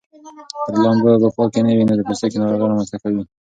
که د لامبو اوبه پاکې نه وي نو د پوستکي ناروغۍ رامنځته کوي.